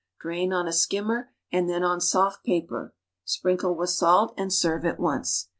Drain on a skimmer and then on soft paper, sprinkle with salt and serve at once.